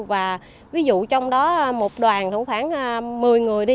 và ví dụ trong đó một đoàn đủ khoảng một mươi người đi